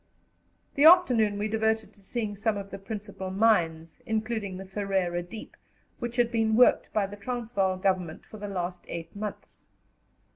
The afternoon we devoted to seeing some of the principal mines, including the Ferreira Deep, which had been worked by the Transvaal Government for the last eight months.